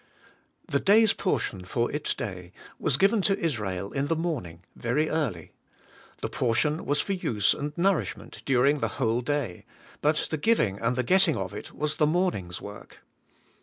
The day's portion for its day Avas given to Israel in the morning very early. The portion was for use and nourishment during the whole day, but the giving and the getting of it was the morning's work.